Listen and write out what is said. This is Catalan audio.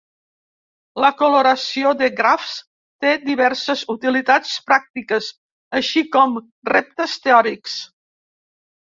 La coloració de grafs té diverses utilitats pràctiques així com reptes teòrics.